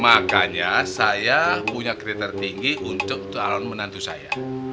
makanya saya punya kriteria tinggi untuk calon menantu saya